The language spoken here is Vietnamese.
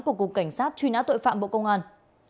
của cục cảnh sát truy nã tội phạm bộ công an